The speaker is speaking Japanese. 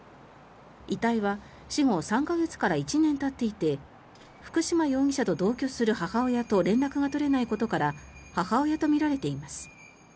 遺体は死後３か月から１年たっていて福島容疑者と同居する母親と連絡が取れないことから母親とみられています。